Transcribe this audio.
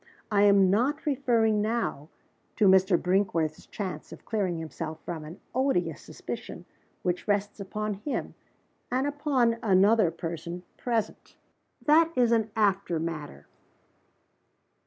I am not referring now to Mr. Brinkworth's chance of clearing himself from an odious suspicion which rests upon him, and upon another Person present. That is an after matter.